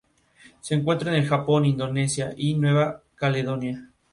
El Consejo de Gobierno está compuesto por el presidente, los vicepresidentes y los consejeros.